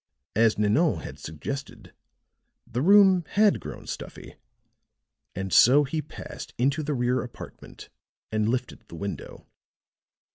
As Nanon had suggested, the room had grown stuffy; and so he passed into the rear apartment and lifted the window.